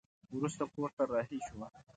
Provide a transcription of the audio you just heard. وروسته کور ته رهي شوه.